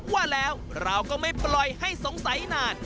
ว่าแล้วเราก็ไม่ปล่อยให้สงสัยนาน